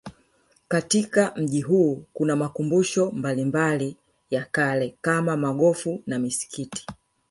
Katika mji huu kuna makumbusho mbalimbali ya kale kama maghofu na misikiti